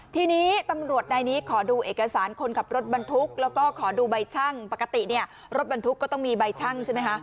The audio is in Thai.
ทีนี้ตำรวจนายนี้ขอดูเอกสารคนขับรถบรรทุกแล้วก็ขอดูใบชั่งปกติเนี่ยรถบรรทุกก็ต้องมีใบชั่งใช่ไหมคะ